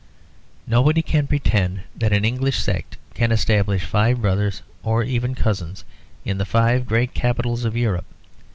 Nobody can pretend that such an English sect can establish five brothers, or even cousins, in the five great capitals of Europe.